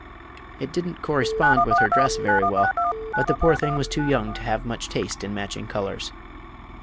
It didn't correspond with her dress very well, but the poor thing was too young to have much taste in matching colors.